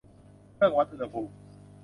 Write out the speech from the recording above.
เครื่องวัดอุณหภูมิ